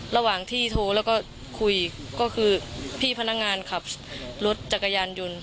ระหว่างที่โทรแล้วก็คุยก็คือพี่พนักงานขับรถจักรยานยนต์